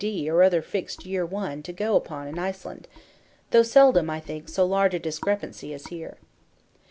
D." or other fixed "year one" to go upon in Iceland), though seldom, I think, so large a discrepancy as here.